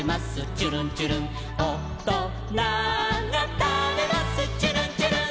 ちゅるんちゅるん」「おとながたべますちゅるんちゅるん」